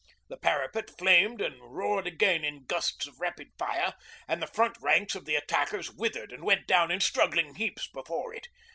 The parapet flamed and roared again in gusts of rapid fire, and the front ranks of the attackers withered and went down in struggling heaps before it.